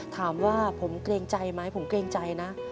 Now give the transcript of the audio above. ถามว่าผมเกรงใจไหมผมเกรงใจนะ